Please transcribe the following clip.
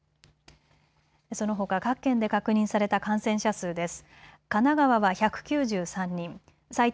そのほか各県で確認された感染者数です。